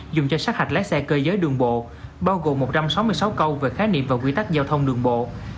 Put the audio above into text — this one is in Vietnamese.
dùng cho sát hạch lái xe cơ giới đường bộ bao gồm một trăm sáu mươi sáu câu về khái niệm và quy tắc giao thông đường bộ